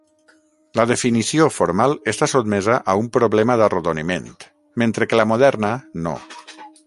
La definició formal està sotmesa a un problema d'arrodoniment mentre que la moderna no.